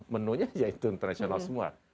menunya itu internasional semua